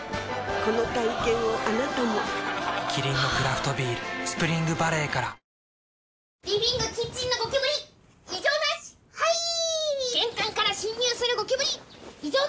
この体験をあなたもキリンのクラフトビール「スプリングバレー」からジュー・